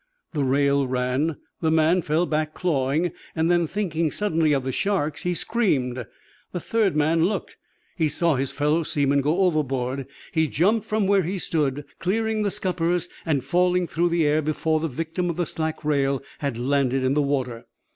The rail ran, the man fell back, clawing, and then, thinking suddenly of the sharks, he screamed. The third man looked. He saw his fellow seaman go overboard. He jumped from where he stood, clearing the scuppers and falling through the air before the victim of the slack rail had landed in the water.